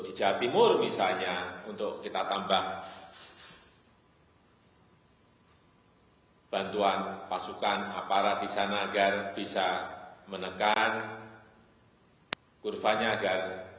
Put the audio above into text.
di jawa timur misalnya untuk kita tambah bantuan pasukan aparat di sana agar bisa menekan kurvanya agar